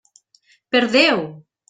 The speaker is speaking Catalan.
Per Déu!